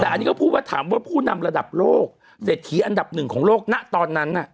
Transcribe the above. แต่อันนี้ก็พูดว่าถามว่าผู้นำระดับโลกเศรษฐีอันดับหนึ่งของโลกณตอนนั้นน่ะ